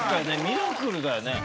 ミラクルだよね。